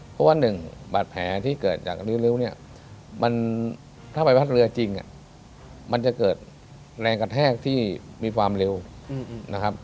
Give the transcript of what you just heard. เพราะว่าหนึ่งบาดแผลที่เกิดจากริ้วเนี่ยมันถ้าใบพัดเรือจริงมันจะเกิดแรงกระแทกที่มีความเร็วนะครับ